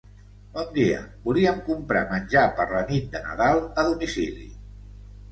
Bon dia, volíem comprar menjar per la nit de Nadal a domicili.